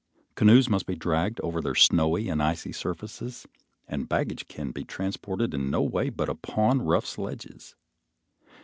Canoes must be dragged over their snowy and icy surfaces, and baggage can be transported in no way but upon rough sledges.